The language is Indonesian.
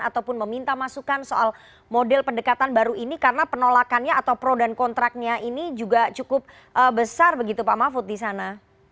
ataupun meminta masukan soal model pendekatan baru ini karena penolakannya atau pro dan kontraknya ini juga cukup besar begitu pak mahfud di sana